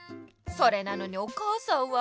それなのにお母さんは。